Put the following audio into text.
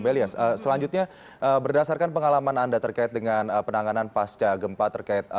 melian selanjutnya berdasarkan pengalaman anda terkait dengan penanganan pasca gempa terkait